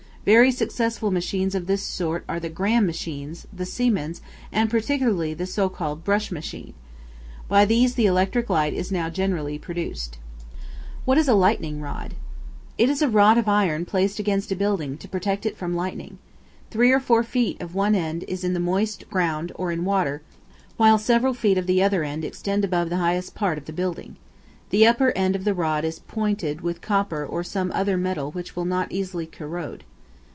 Very successful machines of this sort are the Gramme machine, the Siemens, and, principally, the so called Brush machine. By these the electric light is now generally produced. What is a Lightning Rod? It is a rod of iron placed against a building to protect it from lightning. Three or four feet of one end is in the moist ground or in water, while several feet of the other end extend above the highest part of the building. The upper end of the rod is pointed with copper or some other metal which will not easily corrode.